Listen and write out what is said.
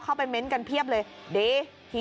เข้าไปเม้นต์กันเพียบเลยดี